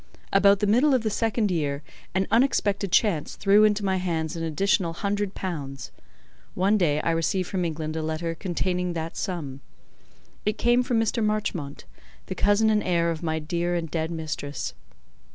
About the middle of the second year an unexpected chance threw into my hands an additional hundred pounds: one day I received from England a letter containing that sum. It came from Mr. Marchmont, the cousin and heir of my dear and dead mistress.